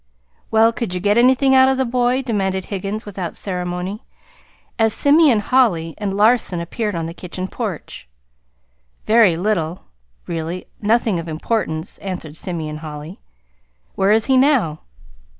"Well, could you get anything out of the boy?" demanded Higgins, without ceremony, as Simeon Holly and Larson appeared on the kitchen porch. "Very little. Really nothing of importance," answered Simeon Holly. "Where is he now?"